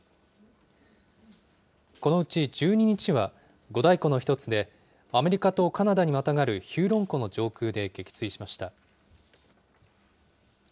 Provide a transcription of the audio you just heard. このうち１２日は、五大湖の一つで、アメリカとカナダにまたがるヒューロン湖の上空で撃墜しました。